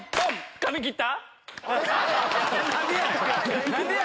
髪切った？